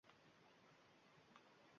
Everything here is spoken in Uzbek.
Hali yosh bolasan.